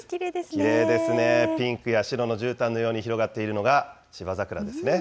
きれいですね、ピンクや白のじゅうたんのように広がっているのが、芝桜ですね。